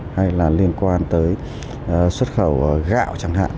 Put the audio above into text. hay là liên quan tới xuất khẩu gạo chẳng hạn